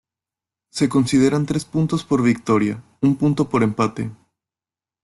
Se consideran tres puntos por victoria, un punto por empate.